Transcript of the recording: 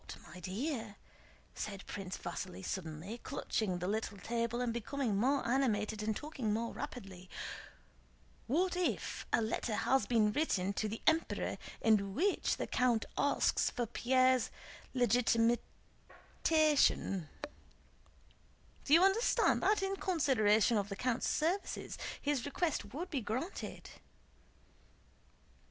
"But, my dear," said Prince Vasíli suddenly, clutching the little table and becoming more animated and talking more rapidly: "what if a letter has been written to the Emperor in which the count asks for Pierre's legitimation? Do you understand that in consideration of the count's services, his request would be granted?..."